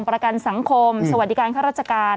ประกันสังคมสวัสดิการข้าราชการ